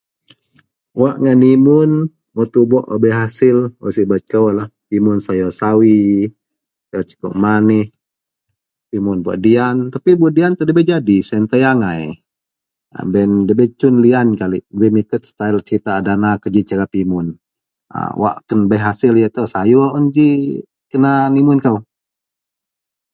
Wak ngak nimun, wak tubuok wak bei asil wak sibet kou yenlah pimun sayuor sawi, sayuor sakok manih, pimun buwak diyan tapi buwak iyan ndabei jadi, siyen taei angan. Baih yen ndabei cun liyan kalik. Limited setayel serita a dana keji cara pimun. A wak bei asil ajau ito sayour un ji kena nimun kou